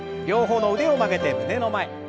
両方の腕を曲げて胸の前。